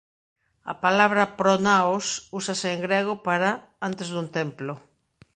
A palabra "pronaos" úsase en grego para "antes dun templo".